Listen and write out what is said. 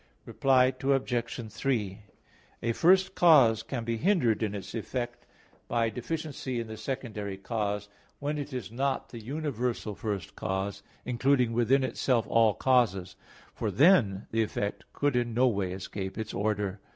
Reply Obj. 3: A first cause can be hindered in its effect by deficiency in the secondary cause, when it is not the universal first cause, including within itself all causes; for then the effect could in no way escape its order.